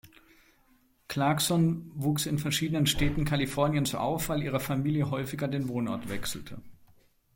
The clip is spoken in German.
Clarkson wuchs in verschiedenen Städten Kaliforniens auf, weil ihre Familie häufiger den Wohnort wechselte.